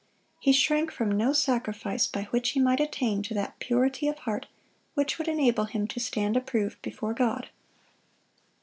He shrank from no sacrifice by which he might attain to that purity of heart which would enable him to stand approved before God.